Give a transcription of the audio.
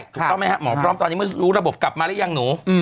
ถูกต้องไหมครับหมอพร้อมตอนนี้เมื่อรู้ระบบกลับมาหรือยังหนู